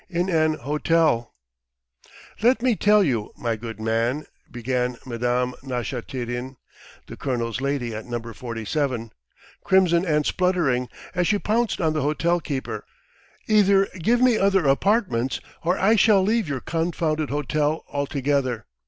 IN AN HOTEL "LET me tell you, my good man," began Madame Nashatyrin, the colonel's lady at No. 47, crimson and spluttering, as she pounced on the hotel keeper. "Either give me other apartments, or I shall leave your confounded hotel altogether!